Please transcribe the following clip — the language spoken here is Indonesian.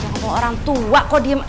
nyaut dong kalau orang tua manggil tau gak